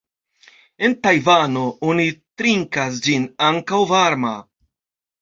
En Tajvano oni trinkas ĝin ankaŭ varma.